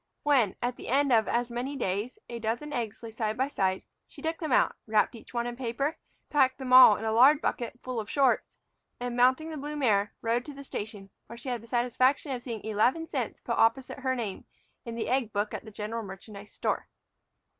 When, at the end of as many days, a dozen eggs lay side by side, she took them out, wrapped each one in paper, packed them all in a lard bucket full of shorts, and, mounting the blue mare, rode to the station, where she had the satisfaction of seeing eleven cents put opposite her name in the egg book at the general merchandise store.